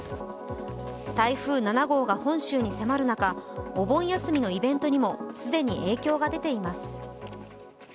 台風７号が本州に迫る中お盆休みのイベントにも既に影響が出ています。